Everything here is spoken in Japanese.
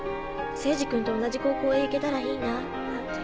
聖司君と同じ高校へ行けたらいいなぁなんて。